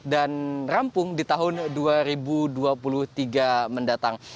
rampung di tahun dua ribu dua puluh tiga mendatang